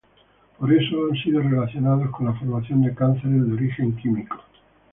Por eso, han sido relacionados con la formación de cánceres de origen químico.